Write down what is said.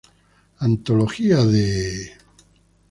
Antología de...